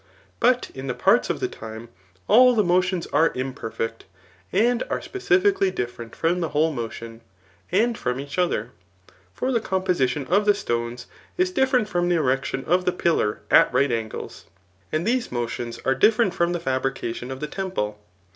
But in the parts of the time, all the motions are imperfect, and are specifically different from the whole motion, and from each other. For the composi tion of the stones is different from the erection of the pillar at right angles, and these motions are different from the fabrication of the temple.